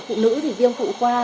phụ nữ thì viêm phụ qua